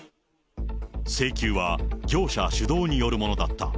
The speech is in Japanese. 請求は業者主導によるものだった。